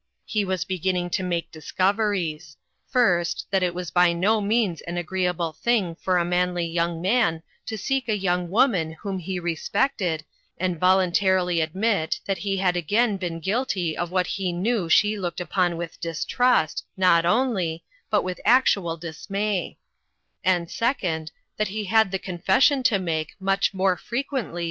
He was be ginning to make discoveries : first, that it was by no means an agreeable thing for a manly young man to seek a young woman whom he respected, and voluntarily admit that he had again been guilty of what he knew she looked upon with distrust, not only, but with actual dismay ; and second that he had the confession to make much more frequently 32O INTERRUPTED.